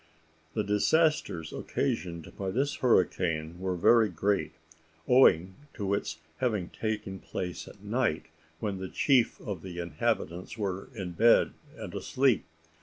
The disasters occasioned by this hurricane were very great, owing to its having taken place at night, when the chief of the inhabitants were in bed and asleep.